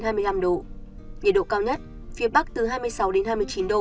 nhiệt độ cao nhất phía bắc từ hai mươi sáu hai mươi chín độ phía nam từ hai mươi chín ba mươi hai độ